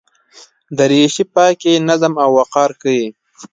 دریشي پاکي، نظم او وقار ښيي.